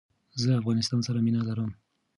زه افغانستان سر مینه لرم